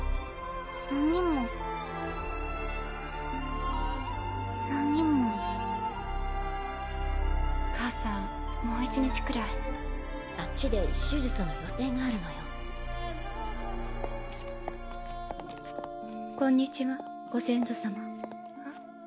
何も何も母さんもう一日くらいあっちで手術の予定があるのこんにちはご先祖様ん？